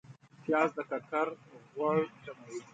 پیاز د ککر غوړ کموي